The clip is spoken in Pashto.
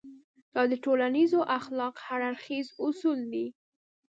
دا د ټولنيزو اخلاقو هر اړخيز اصول دی.